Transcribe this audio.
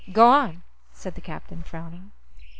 "Go on," said the captain, frowning.